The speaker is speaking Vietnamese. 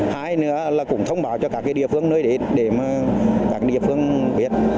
hai nữa là cũng thông báo cho các địa phương nơi đến để các địa phương biết